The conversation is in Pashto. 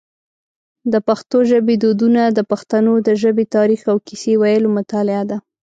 د پښتو ژبی دودونه د پښتنو د ژبی تاریخ او کیسې ویلو مطالعه ده.